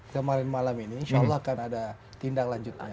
kemarin malam ini insya allah akan ada tindak lanjutnya